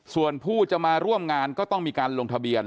ส่วนผู้จะมาร่วมงานก็ต้องมีการลงทะเบียน